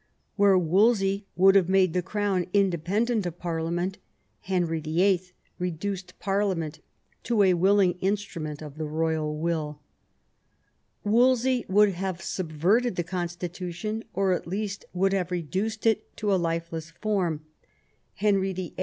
Where Wolsey would have made the Crown independent>4;f of Parliament, Henry VIII. reduced Parliament to be a rT willing instrument of the royal will Wolsey would have subverted the constitution, or at least would have reduced it to a lifeless form; Henry VIII.